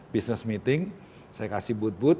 business meeting saya kasih but but